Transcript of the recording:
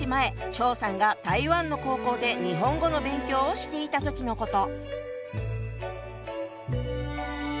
張さんが台湾の高校で日本語の勉強をしていた時のこと。